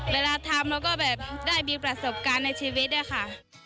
เวลาทำเราก็แบบได้มีประสบการณ์ในชีวิตอะค่ะ